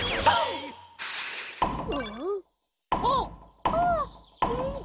あっ。